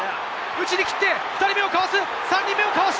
内にきって、２人目を交わす！